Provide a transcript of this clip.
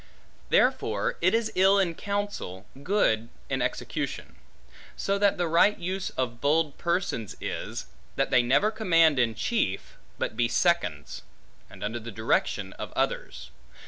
Therefore it is ill in counsel, good in execution; so that the right use of bold persons is, that they never command in chief, but be seconds, and under the direction of others.